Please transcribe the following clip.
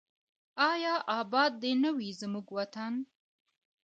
آیا اباد دې نه وي زموږ وطن؟